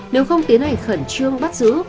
nếu không tiến hành khẩn trương bắt giữ